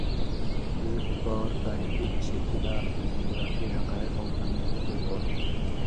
ویٹو پاور تاریخی حیثیتی لا آں جیوگرافی حقائقوں تل منتخب ہوتھہ